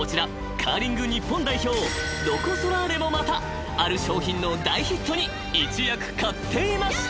［カーリング日本代表ロコ・ソラーレもまたある商品の大ヒットに一役買っていました］